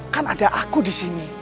kan ada aku disini